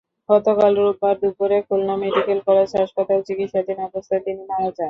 গতকাল রোববার দুপুরে খুলনা মেডিকেল কলেজ হাসপাতালে চিকিৎসাধীন অবস্থায় তিনি মারা যান।